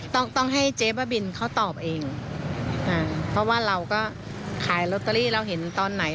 ต้องต้องให้เจ๊บ้าบินเขาตอบเองอ่าเพราะว่าเราก็ขายลอตเตอรี่เราเห็นตอนไหน